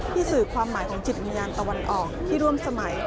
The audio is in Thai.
สื่อความหมายของจิตวิญญาณตะวันออกที่ร่วมสมัย